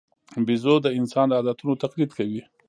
بیزو د انسانانو د عادتونو تقلید کوي.